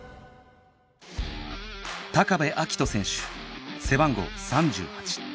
部瑛斗選手背番号３８